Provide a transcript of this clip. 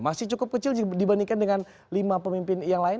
masih cukup kecil dibandingkan dengan lima pemimpin yang lain